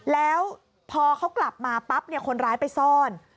แล้วพอเขากลับมาปั๊บคนร้ายไปซ่อน